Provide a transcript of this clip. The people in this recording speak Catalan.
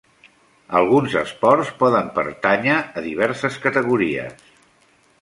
Alguns esports poden pertànyer a diverses categories.